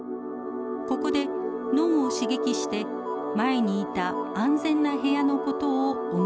ここで脳を刺激して前にいた安全な部屋の事を思い出させます。